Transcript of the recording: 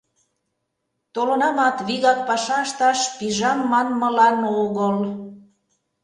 — Толынамат, вигак паша ышташ пижам манмылан огыл.